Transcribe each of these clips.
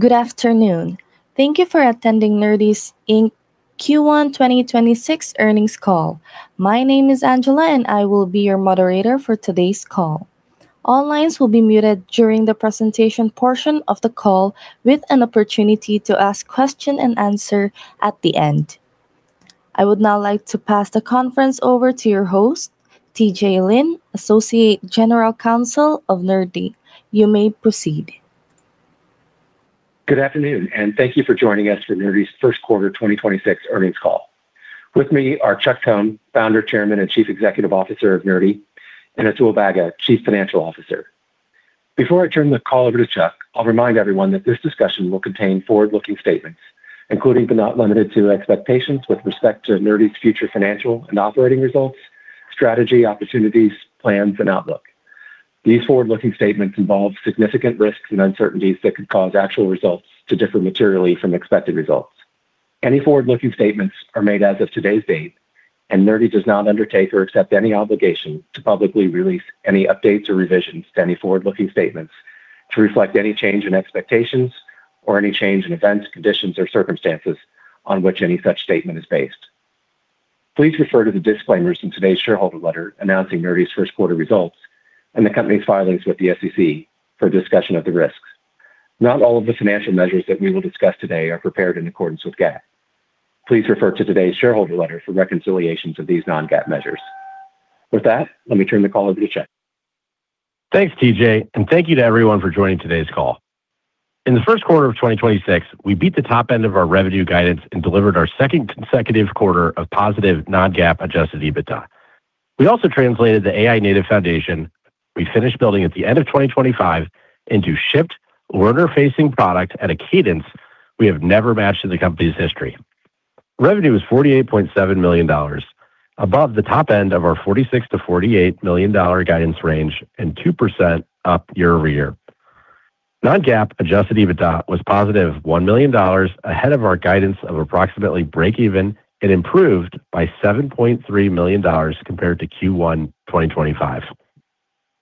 Good afternoon. Thank you for attending Nerdy Inc. Q1 2026 earnings call. My name is Angela, and I will be your moderator for today's call. All lines will be muted during the presentation portion of the call with an opportunity to ask question and answer at the end. I would now like to pass the conference over to your host, TJ Lynn, Associate General Counsel of Nerdy. You may proceed. Good afternoon, and thank you for joining us for Nerdy's Q1 2026 earnings call. With me are Chuck Cohn, Founder, Chairman, and Chief Executive Officer of Nerdy, and Atul Bagga, Chief Financial Officer. Before I turn the call over to Chuck, I'll remind everyone that this discussion will contain forward-looking statements, including but not limited to expectations with respect to Nerdy's future financial and operating results, strategy, opportunities, plans, and outlook. These forward-looking statements involve significant risks and uncertainties that could cause actual results to differ materially from expected results. Any forward-looking statements are made as of today's date, and Nerdy does not undertake or accept any obligation to publicly release any updates or revisions to any forward-looking statements to reflect any change in expectations or any change in events, conditions, or circumstances on which any such statement is based. Please refer to the disclaimers in today's shareholder letter announcing Nerdy's Q1 results and the company's filings with the SEC for a discussion of the risks. Not all of the financial measures that we will discuss today are prepared in accordance with GAAP. Please refer to today's shareholder letter for reconciliations of these non-GAAP measures. With that, let me turn the call over to Chuck. Thanks, TJ, and thank you to everyone for joining today's call. In the Q1 of 2026, we beat the top end of our revenue guidance and delivered our second consecutive quarter of positive non-GAAP adjusted EBITDA. We also translated the AI-native foundation we finished building at the end of 2025 into shipped learner-facing product at a cadence we have never matched in the company's history. Revenue was $48.7 million, above the top end of our $46 million-$48 million guidance range and 2% up year-over-year. Non-GAAP adjusted EBITDA was +$1 million ahead of our guidance of approximately breakeven and improved by $7.3 million compared to Q1 2025.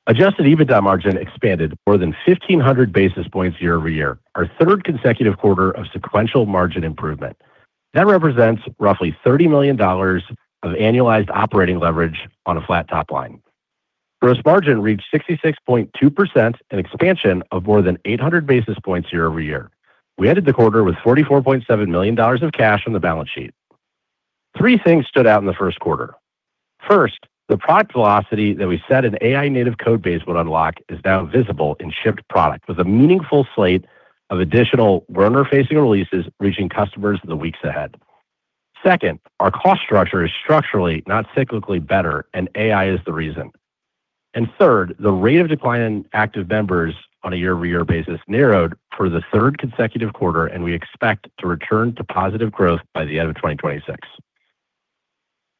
Adjusted EBITDA margin expanded more than 1,500 basis points year-over-year, our third consecutive quarter of sequential margin improvement. That represents roughly $30 million of annualized operating leverage on a flat top line. Gross margin reached 66.2%, an expansion of more than 800 basis points year-over-year. We ended the quarter with $44.7 million of cash on the balance sheet. Three things stood out in the Q1. First, the product velocity that we said an AI native code base would unlock is now visible in shipped product with a meaningful slate of additional learner-facing releases reaching customers in the weeks ahead. Second, our cost structure is structurally, not cyclically, better, and AI is the reason, and third, the rate of decline in active members on a year-over-year basis narrowed for the third consecutive quarter, and we expect to return to positive growth by the end of 2026.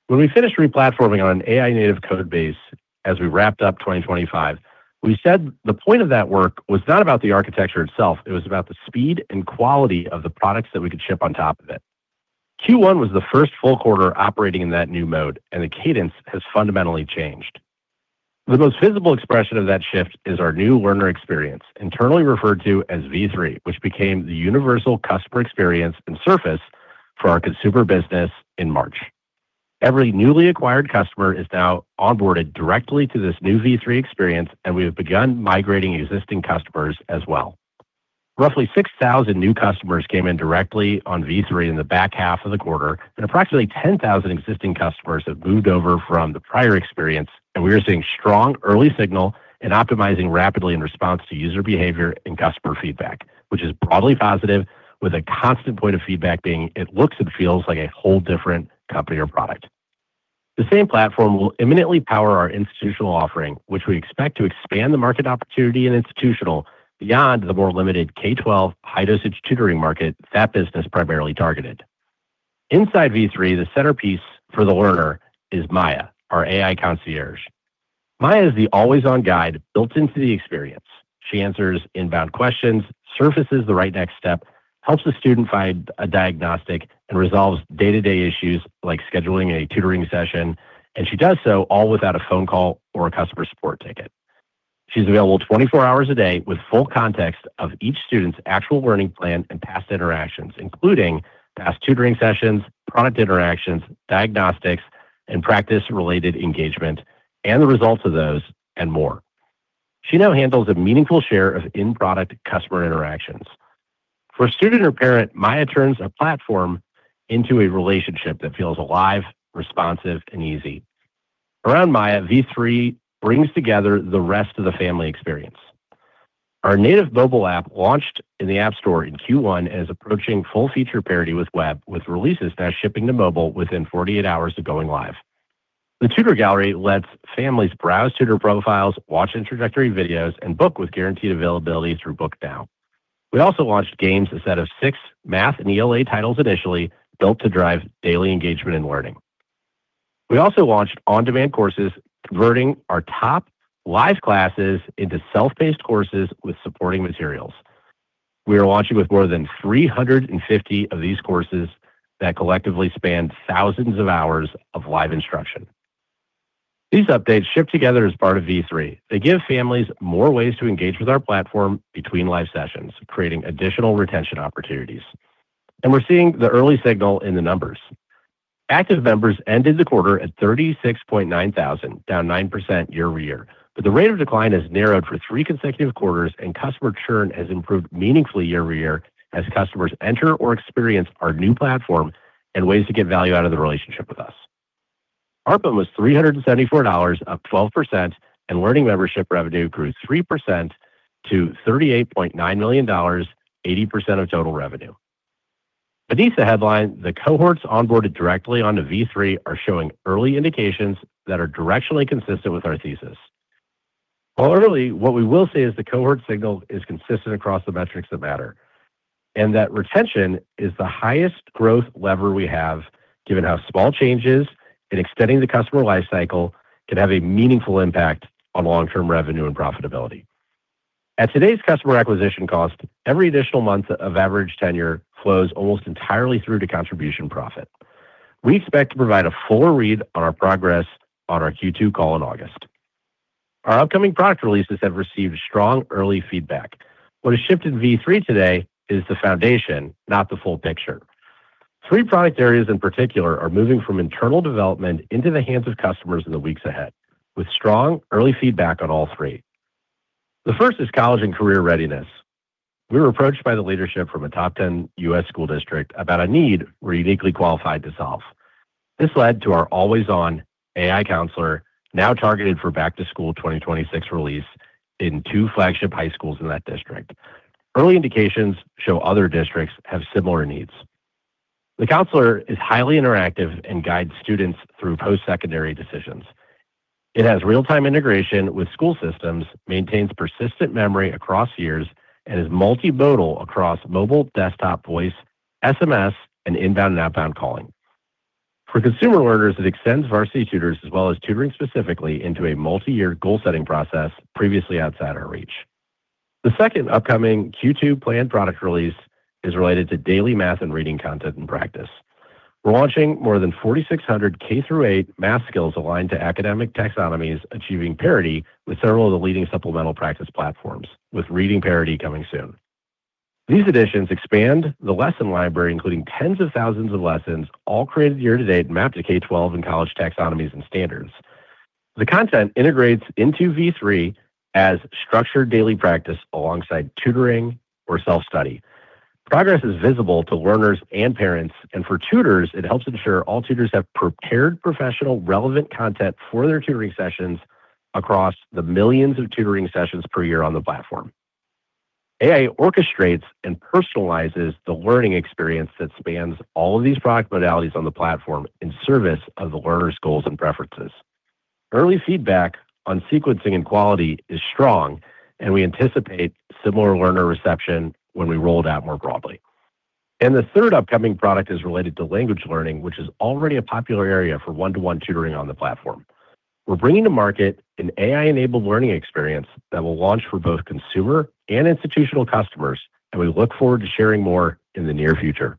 When we finished replatforming on an AI native code base as we wrapped up 2025, we said the point of that work was not about the architecture itself; it was about the speed and quality of the products that we could ship on top of it. Q1 was the first full quarter operating in that new mode. The cadence has fundamentally changed. The most visible expression of that shift is our new learner experience, internally referred to as V3, which became the universal customer experience and surface for our consumer business in March. Every newly acquired customer is now onboarded directly to this new V3 experience, and we have begun migrating existing customers as well. Roughly 6,000 new customers came in directly on V3 in the back half of the quarter, and approximately 10,000 existing customers have moved over from the prior experience, and we are seeing strong early signal and optimizing rapidly in response to user behavior and customer feedback, which is broadly positive with a constant point of feedback being it looks and feels like a whole different company or product. The same platform will imminently power our institutional offering, which we expect to expand the market opportunity in institutional beyond the more limited K-12 high-dosage tutoring market that business primarily targeted. Inside V3, the centerpiece for the learner is Maya, our AI concierge. Maya is the always-on guide built into the experience. She answers inbound questions, surfaces the right next step, helps the student find a diagnostic, and resolves day-to-day issues like scheduling a tutoring session, and she does so all without a phone call or a customer support ticket. She's available 24 hours a day with full context of each student's actual learning plan and past interactions, including: Past tutoring sessions, product interactions, diagnostics, and practice-related engagement, and the results of those, and more. She now handles a meaningful share of in-product customer interactions. For a student or parent, Maya turns a platform into a relationship that feels alive, responsive, and easy. Around Maya, V3 brings together the rest of the family experience. Our native mobile app launched in the App Store in Q1 and is approaching full feature parity with web, with releases now shipping to mobile within 48 hours of going live. The Tutor Gallery lets families browse tutor profiles, watch introductory videos, and book with guaranteed availability through Book Now. We also launched Games, a set of six math and ELA titles initially, built to drive daily engagement and learning. We also launched on-demand courses, converting our top live classes into self-paced courses with supporting materials. We are launching with more than 350 of these courses that collectively span thousands of hours of live instruction. These updates ship together as part of V3. They give families more ways to engage with our platform between live sessions, creating additional retention opportunities, and we're seeing the early signal in the numbers. Active members ended the quarter at 36.9 thousand, down 9% year-over-year. The rate of decline has narrowed for three consecutive quarters, and customer churn has improved meaningfully year-over-year as customers enter or experience our new platform and ways to get value out of the relationship with us. ARPM was $374, up 12%, and Learning Membership revenue grew 3% to $38.9 million, 80% of total revenue. As this headlined the cohorts onboarded directly onto V3 are showing early indications that are directionally consistent with our thesis. Overall, what we will say is the cohort signal is consistent across the metrics that matter, and that retention is the highest growth lever we have, given how small changes in extending the customer life cycle can have a meaningful impact on long-term revenue and profitability. At today's customer acquisition cost, every additional month of average tenure flows almost entirely through to contribution profit. We expect to provide a full read on our progress on our Q2 call in August. Our upcoming product releases have received strong early feedback. What has shipped in V3 today is the foundation, not the full picture. Three product areas in particular are moving from internal development into the hands of customers in the weeks ahead, with strong early feedback on all three. The first is college and career readiness. We were approached by the leadership from a top 10 U.S. school district about a need we're uniquely qualified to solve. This led to our always-on AI counselor, now targeted for back-to-school 2026 release in two flagship high schools in that district. Early indications show other districts have similar needs. The counselor is highly interactive and guides students through post-secondary decisions. It has real-time integration with school systems, maintains persistent memory across years, and is multimodal across mobile, desktop, voice, SMS, and inbound and outbound calling. For consumer learners, it extends Varsity Tutors as well as tutoring specifically into a multi-year goal-setting process previously outside our reach. The second upcoming Q2 planned product release is related to daily math and reading content and practice. We're launching more than 4,600 K-8 math skills aligned to academic taxonomies, achieving parity with several of the leading supplemental practice platforms, with reading parity coming soon. These additions expand the lesson library, including tens of thousands of lessons, all created year to date and mapped to K-12 and college taxonomies and standards. The content integrates into V3 as structured daily practice alongside tutoring or self-study. Progress is visible to learners and parents, and for tutors, it helps ensure all tutors have prepared professional, relevant content for their tutoring sessions across the millions of tutoring sessions per year on the platform. AI orchestrates and personalizes the learning experience that spans all of these product modalities on the platform in service of the learner's goals and preferences. Early feedback on sequencing and quality is strong, and we anticipate similar learner reception when we roll it out more broadly. The third upcoming product is related to language learning, which is already a popular area for one-to-one tutoring on the platform. We're bringing to market an AI-enabled learning experience that will launch for both consumer and institutional customers, and we look forward to sharing more in the near future.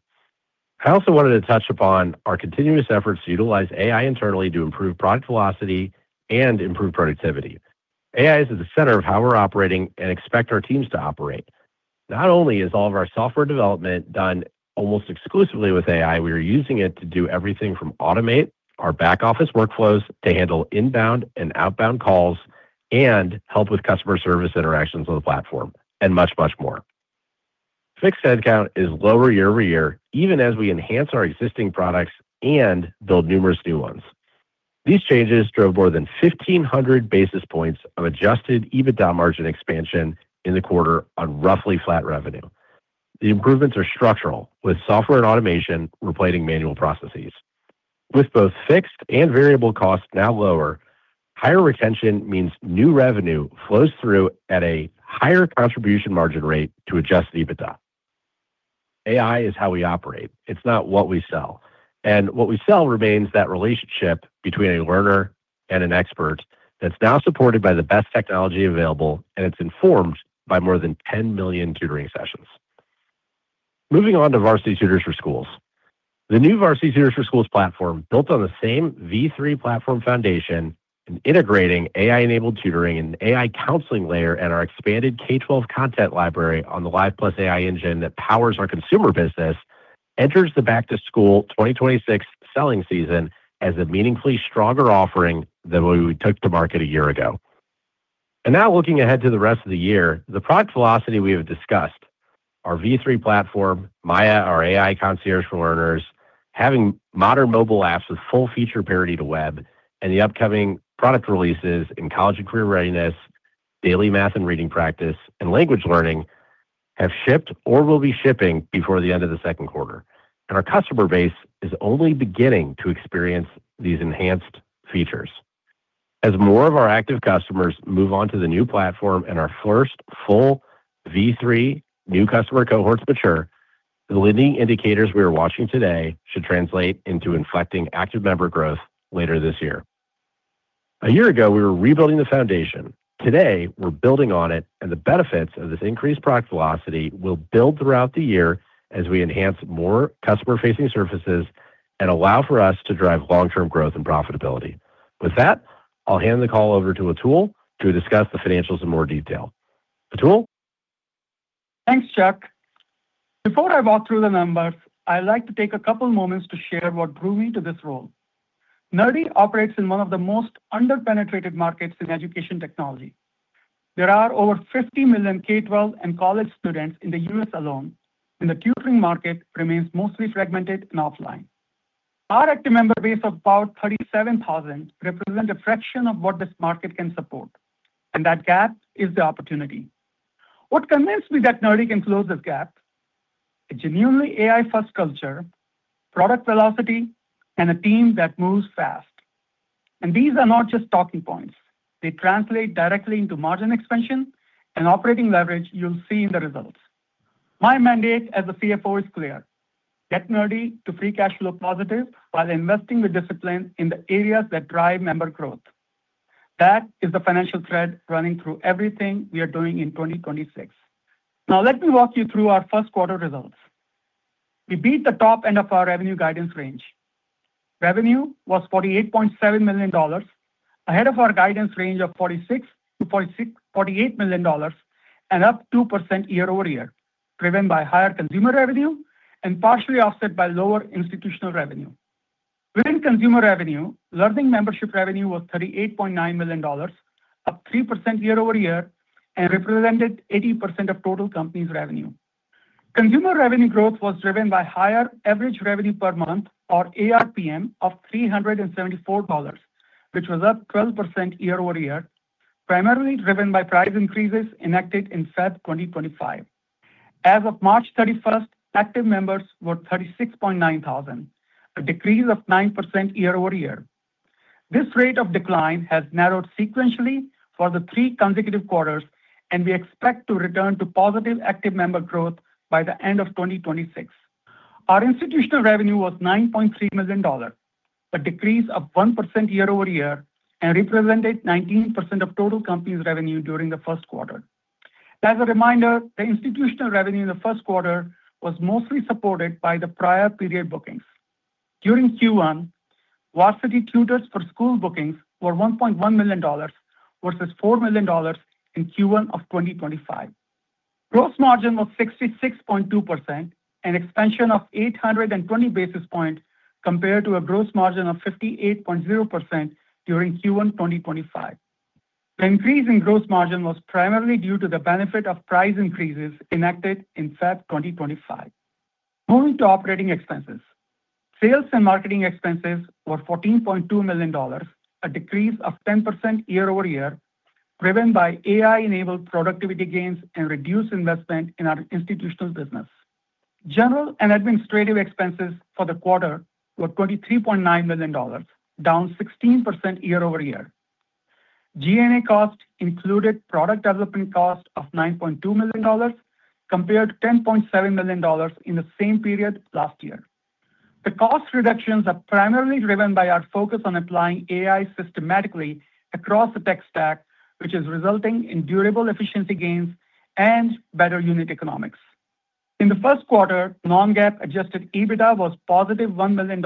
I also wanted to touch upon our continuous efforts to utilize AI internally to improve product velocity and improve productivity. AI is at the center of how we're operating and expect our teams to operate. Not only is all of our software development done almost exclusively with AI, we are using it to do everything from automate our back-office workflows to handle inbound and outbound calls and help with customer service interactions on the platform and much, much more. Fixed headcount is lower year-over-year, even as we enhance our existing products and build numerous new ones. These changes drove more than 1,500 basis points of adjusted EBITDA margin expansion in the quarter on roughly flat revenue. The improvements are structural, with software and automation replacing manual processes. With both fixed and variable costs now lower, higher retention means new revenue flows through at a higher contribution margin rate to adjusted EBITDA. AI is how we operate. It's not what we sell, and what we sell remains that relationship between a learner and an expert that's now supported by the best technology available, and it's informed by more than 10 million tutoring sessions. Moving on to Varsity Tutors for Schools. The new Varsity Tutors for Schools platform, built on the same V3 platform foundation and integrating AI-enabled tutoring and AI counseling layer, and our expanded K-12 content library on the Live + AI™ engine that powers our consumer business, enters the back to school 2026 selling season as a meaningfully stronger offering than what we took to market a year ago. Now looking ahead to the rest of the year, the product velocity we have discussed, our V3 platform, Maya, our AI concierge for learners, having modern mobile apps with full feature parity to web, and the upcoming product releases in college and career readiness, daily math and reading practice, and language learning have shipped or will be shipping before the end of the Q2. Our customer base is only beginning to experience these enhanced features. As more of our active customers move on to the new platform and our first full V3 new customer cohorts mature, the leading indicators we are watching today should translate into inflecting active member growth later this year. A year ago, we were rebuilding the foundation. Today, we're building on it, and the benefits of this increased product velocity will build throughout the year as we enhance more customer-facing surfaces and allow for us to drive long-term growth and profitability. With that, I'll hand the call over to Atul to discuss the financials in more detail. Atul? Thanks, Chuck. Before I walk through the numbers, I'd like to take a couple moments to share what drew me to this role. Nerdy operates in one of the most under-penetrated markets in education technology. There are over 50 million K-12 and college students in the U.S. alone, and the tutoring market remains mostly fragmented and offline. Our active member base of about 37,000 represent a fraction of what this market can support, and that gap is the opportunity. What convinced me that Nerdy can close this gap, a genuinely AI-first culture, product velocity, and a team that moves fast. These are not just talking points. They translate directly into margin expansion and operating leverage you'll see in the results. My mandate as the CFO is clear: Get Nerdy to free cash flow positive while investing with discipline in the areas that drive member growth. That is the financial thread running through everything we are doing in 2026. Let me walk you through our Q1 results. We beat the top end of our revenue guidance range. Revenue was $48.7 million, ahead of our guidance range of $46 million-$48 million and up 2% year-over-year, driven by higher consumer revenue and partially offset by lower institutional revenue. Within consumer revenue, Learning Membership revenue was $38.9 million, up 3% year-over-year and represented 80% of total company's revenue. Consumer revenue growth was driven by higher average revenue per month, or ARPM, of $374, which was up 12% year-over-year, primarily driven by price increases enacted in February 2025. As of March 31st, active members were 36.9 thousand, a decrease of 9% year-over-year. This rate of decline has narrowed sequentially for the three consecutive quarters, and we expect to return to positive active member growth by the end of 2026. Our institutional revenue was $9.3 million, a decrease of 1% year-over-year and represented 19% of total company's revenue during the Q1. As a reminder, the institutional revenue in the Q1 was mostly supported by the prior period bookings. During Q1, Varsity Tutors for Schools bookings were $1.1 million versus $4 million in Q1 of 2025. Gross margin was 66.2%, an expansion of 820 basis points compared to a gross margin of 58.0% during Q1 2025. The increase in gross margin was primarily due to the benefit of price increases enacted in February 2025. Moving to operating expenses. Sales and marketing expenses were $14.2 million, a decrease of 10% year-over-year, driven by AI-enabled productivity gains and reduced investment in our institutional business. General and administrative expenses for the quarter were $23.9 million, down 16% year-over-year. G&A costs included product development cost of $9.2 million compared to $10.7 million in the same period last year. The cost reductions are primarily driven by our focus on applying AI systematically across the tech stack, which is resulting in durable efficiency gains and better unit economics. In the Q1, non-GAAP adjusted EBITDA was + $1 million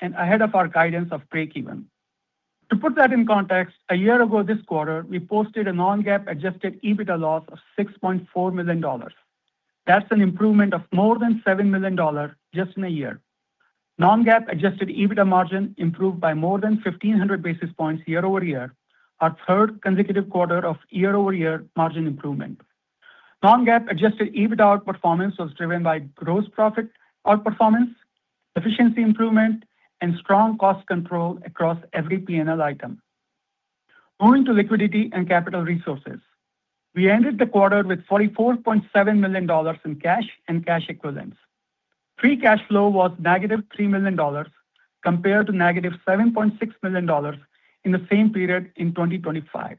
and ahead of our guidance of break-even. To put that in context, a year ago this quarter, we posted a non-GAAP adjusted EBITDA loss of $6.4 million. That's an improvement of more than $7 million just in a year. Non-GAAP adjusted EBITDA margin improved by more than 1,500 basis points year-over-year, our third consecutive quarter of year-over-year margin improvement. Non-GAAP adjusted EBITDA outperformance was driven by gross profit outperformance, efficiency improvement, and strong cost control across every P&L item. Moving to liquidity and capital resources. We ended the quarter with $44.7 million in cash and cash equivalents. Free cash flow was -$3 million compared to -$7.6 million in the same period in 2025.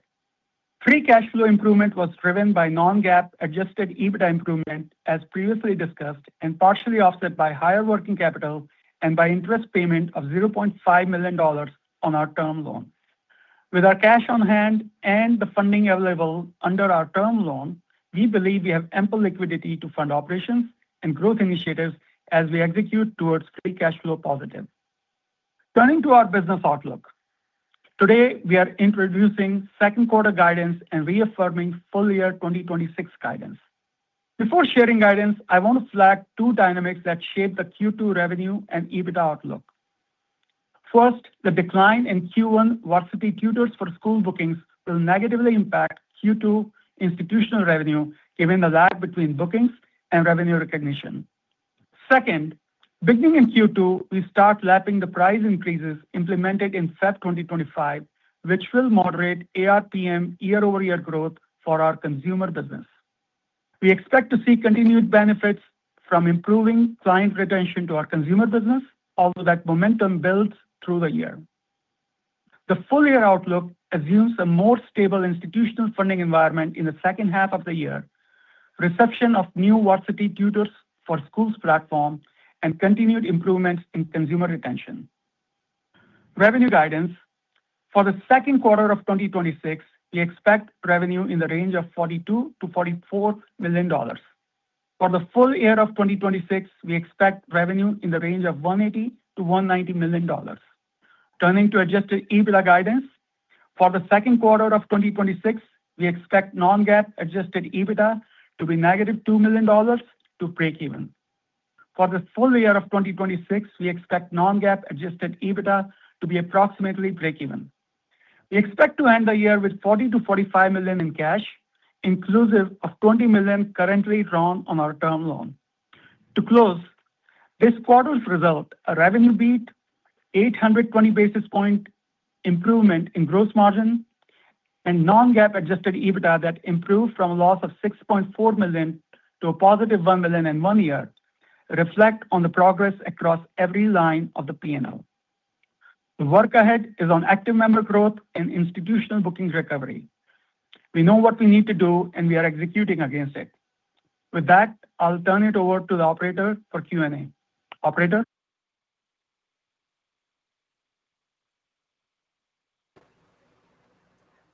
Free cash flow improvement was driven by non-GAAP adjusted EBITDA improvement, as previously discussed, and partially offset by higher working capital and by interest payment of $0.5 million on our term loan. With our cash on hand and the funding available under our term loan, we believe we have ample liquidity to fund operations and growth initiatives as we execute towards free cash flow positive. Turning to our business outlook. Today, we are introducing Q2 guidance and reaffirming full-year 2026 guidance. Before sharing guidance, I want to flag two dynamics that shape the Q2 revenue and EBITDA outlook. First, the decline in Q1 Varsity Tutors for Schools bookings will negatively impact Q2 institutional revenue, given the lag between bookings and revenue recognition. Second, beginning in Q2, we start lapping the price increases implemented in Feb 2025, which will moderate ARPM year-over-year growth for our consumer business. We expect to see continued benefits from improving client retention to our consumer business as that momentum builds through the year. The full-year outlook assumes a more stable institutional funding environment in the H2 of the year, reception of new Varsity Tutors for Schools platform, and continued improvements in consumer retention. Revenue guidance. For the Q2 of 2026, we expect revenue in the range of $42 million-$44 million. For the full year of 2026, we expect revenue in the range of $180 million-$190 million. Turning to adjusted EBITDA guidance. For the Q2 of 2026, we expect non-GAAP adjusted EBITDA to be -$2 million to break even. For the full year of 2026, we expect non-GAAP adjusted EBITDA to be approximately break-even. We expect to end the year with $40 million-$45 million in cash, inclusive of $20 million currently drawn on our term loan. To close, this quarter's result, a revenue beat, 820 basis point improvement in gross margin, and non-GAAP adjusted EBITDA that improved from a loss of $6.4 million to a +$1 million in one year reflect on the progress across every line of the P&L. The work ahead is on active member growth and institutional bookings recovery. We know what we need to do, and we are executing against it. With that, I'll turn it over to the operator for Q&A. Operator?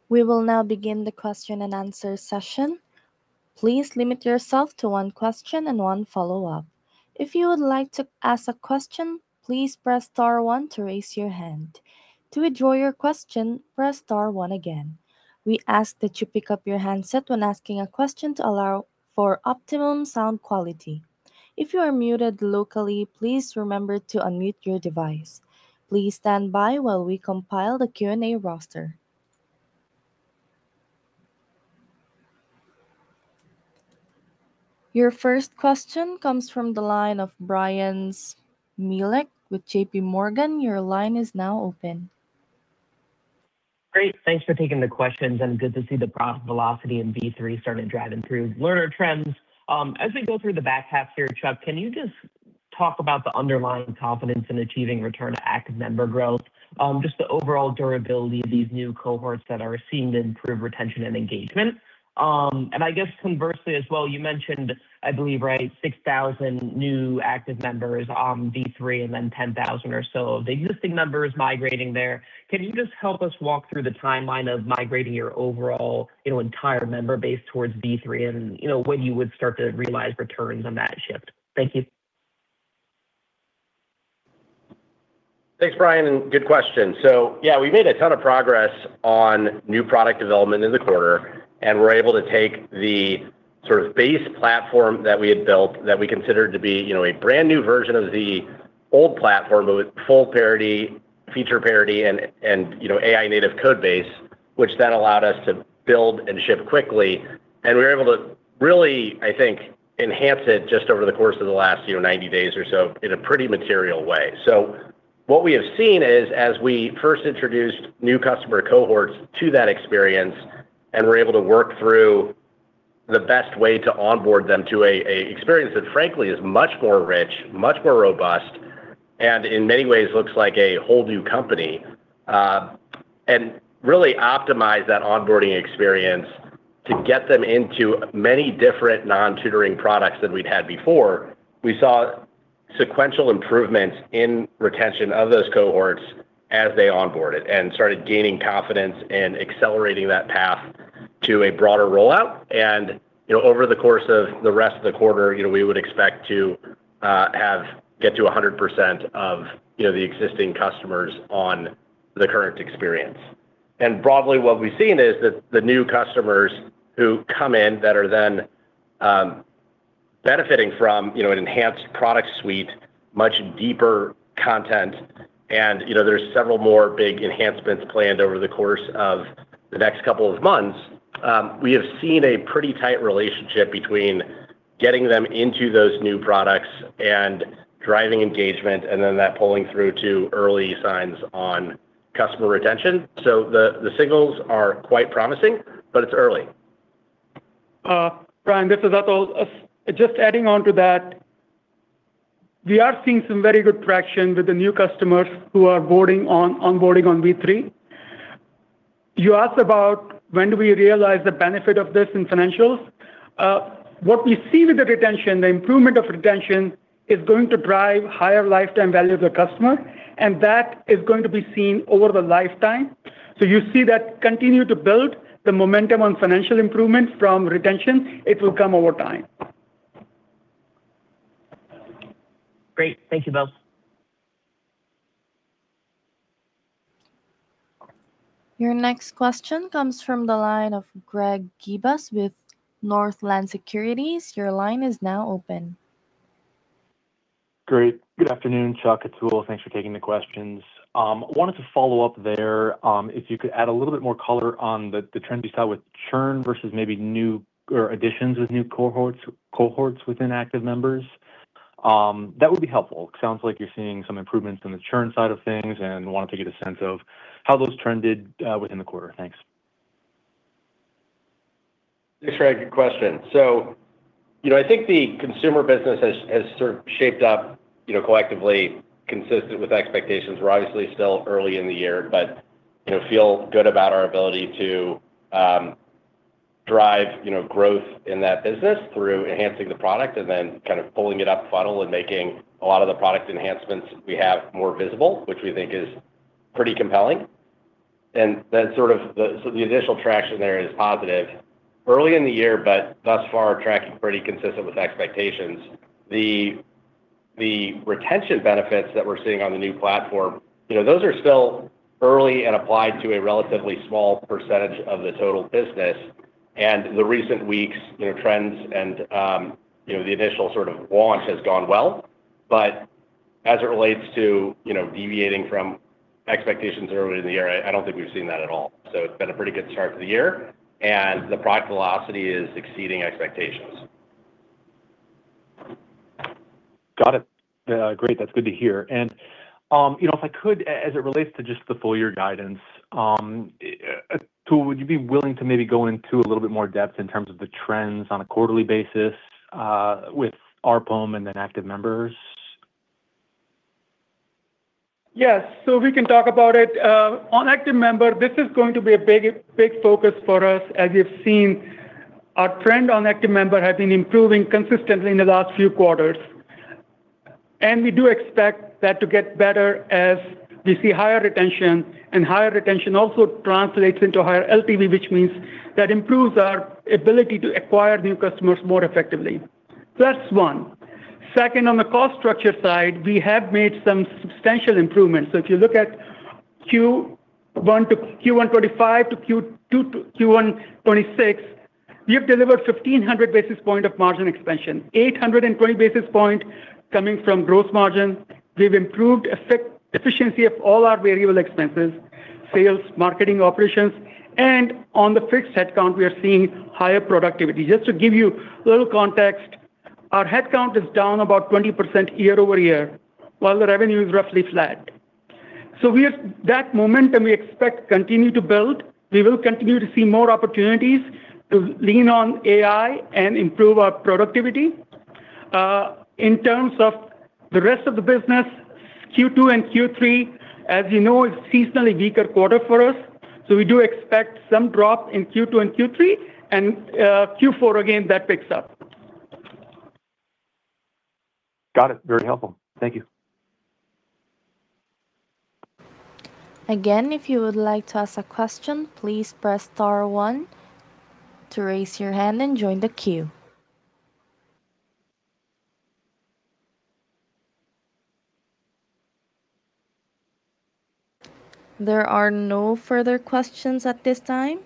We will now begin the question-and-answer session. Please limit yourself to one question and one follow-up. If you would like to ask a question, please press star one to raise your hand. To withdraw your question, press star one again. We ask that you pick up your handset when asking a question to allow for optimum sound quality. If you are muted locally, please remember to unmute your device. Please stand by while we compile the Q&A roster. Your first question comes from the line of Bryan Smilek with JPMorgan. Your line is now open. Great. Thanks for taking the questions, and good to see the pro- velocity in V3 starting to drive improved learner trends. As we go through the back half here, Chuck, can you just talk about the underlying confidence in achieving return to active member growth? Just the overall durability of these new cohorts that are seeing improved retention and engagement. I guess conversely as well, you mentioned, I believe, right, 6,000 new active members on V3 and then 10,000 or so of the existing members migrating there. Can you just help us walk through the timeline of migrating your overall, you know, entire member base towards V3 and, you know, when you would start to realize returns on that shift? Thank you. Thanks, Bryan, and good question. Yeah, we made a ton of progress on new product development in the quarter, and were able to take the sort of base platform that we had built that we considered to be, you know, a brand-new version of the old platform. It was full parity, feature parity, and, you know, AI native code base, which then allowed us to build and ship quickly, and we were able to really, I think, enhance it just over the course of the last, you know, 90 days or so in a pretty material way. What we have seen is as we first introduced new customer cohorts to that experience, and were able to work through the best way to onboard them to a experience that frankly is much more rich, much more robust, and in many ways looks like a whole new company, and really optimize that onboarding experience to get them into many different non-tutoring products than we'd had before. We saw sequential improvements in retention of those cohorts as they onboarded and started gaining confidence and accelerating that path to a broader rollout. You know, over the course of the rest of the quarter, you know, we would expect to get to 100% of, you know, the existing customers on the current experience. Broadly, what we've seen is that the new customers who come in that are then benefiting from, you know, an enhanced product suite, much deeper content, and, you know, there's several more big enhancements planned over the course of the next couple of months. We have seen a pretty tight relationship between getting them into those new products and driving engagement, and then that pulling through to early signs on customer retention, so the signals are quite promising, but it's early. Bryan, this is Atul. Just adding on to that, we are seeing some very good traction with the new customers who are onboarding on V3. You asked about when do we realize the benefit of this in financials. What we see with the retention, the improvement of retention is going to drive higher lifetime value of the customer, and that is going to be seen over the lifetime. You see that continue to build the momentum on financial improvements from retention. It will come over time. Great. Thank you both. Your next question comes from the line of Greg Gibas with Northland Securities. Your line is now open. Great. Good afternoon, Chuck, Atul, thanks for taking the questions. Wanted to follow up there, if you could add a little bit more color on the trends you saw with churn versus maybe new or additions with new cohorts within active members. That would be helpful. It sounds like you're seeing some improvements on the churn side of things and wanted to get a sense of how those trended within the quarter. Thanks. Thanks, Greg. Good question. You know, I think the consumer business has sort of shaped up, you know, collectively consistent with expectations. We're obviously still early in the year but, you know, feel good about our ability to drive, you know, growth in that business through enhancing the product and then kind of pulling it up funnel and making a lot of the product enhancements we have more visible, which we think is pretty compelling, so the initial traction there is positive early in the year, but thus far tracking pretty consistent with expectations. The retention benefits that we're seeing on the new platform, you know, those are still early and applied to a relatively small percentage of the total business. In the recent weeks, you know, trends and, you know, the initial sort of launch has gone well, but as it relates to, you know, deviating from expectations earlier in the year, I don't think we've seen that at all, so it's been a pretty good start to the year, and the product velocity is exceeding expectations. Got it. great, that's good to hear. You know, if I could, as it relates to just the full year guidance, Atul, would you be willing to maybe go into a little bit more depth in terms of the trends on a quarterly basis, with ARPU and then active members? Yes. We can talk about it. On active member, this is going to be a big focus for us. As you've seen, our trend on active member has been improving consistently in the last few quarters, and we do expect that to get better as we see higher retention, and higher retention also translates into higher LTV, which means that improves our ability to acquire new customers more effectively. That's one. Second, on the cost structure side, we have made some substantial improvements. If you look at Q1 2025 to Q1 2026, we have delivered 1,500 basis points of margin expansion, 820 basis points coming from gross margin. We've improved efficiency of all our variable expenses, sales, marketing, operations, and on the fixed headcount, we are seeing higher productivity. Just to give you a little context, our headcount is down about 20% year-over-year, while the revenue is roughly flat, so that momentum we expect continue to build. We will continue to see more opportunities to lean on AI and improve our productivity. In terms of the rest of the business, Q2 and Q3, as you know, is seasonally weaker quarter for us, so we do expect some drop in Q2 and Q2, and Q4, again, that picks up. Got it. Very helpful. Thank you. Again, if you would like to ask a question, please press star one to raise your hand and join the queue. There are no further questions at this time.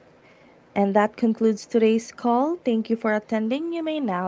That concludes today's call. Thank you for attending. You may now disconnect.